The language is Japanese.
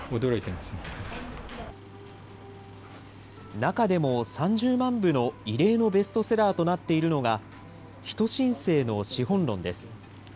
中でも３０万部の異例のベストセラーとなっているのが、人新世の資本論です。